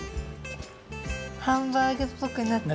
ハンバーグっぽくなってきた。